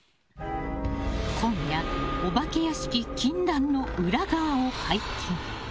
今夜、お化け屋敷禁断の裏側を解禁。